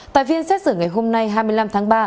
tài viên xét xử ngày hôm nay hai mươi năm tháng ba